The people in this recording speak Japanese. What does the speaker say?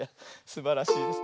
すばらしいです。